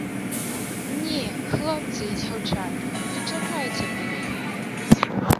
Не, хлопцы і дзяўчаты, не чакайце мяне!